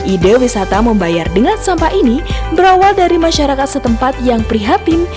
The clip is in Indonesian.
ide wisata membayar dengan sampah ini berawal dari masyarakat setempat yang prihatin